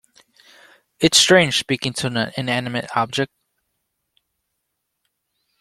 It's strange speaking to an inanimate object.